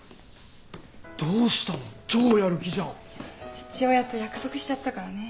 父親と約束しちゃったからね。